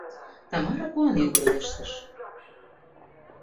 — Тамара куанен пелештыш.